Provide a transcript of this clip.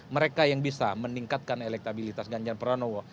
mereka yang bisa meningkatkan elektabilitas ganjar pranowo